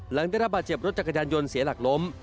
หลังได้รับบาดเจ็บรถจักรยานยนต์เสียหลักล้ม